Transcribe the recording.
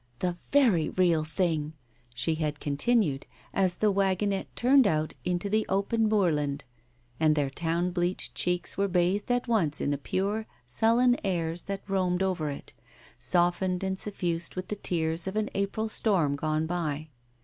"The very real thing!" she had continued, as the wagonette turned out into the open moorland, and their town bleached cheeks were bathed at once in the pure sullen airs that roamed over it, softened and suffused with the tears of an April storm gone by.